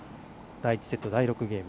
第１セット第６ゲーム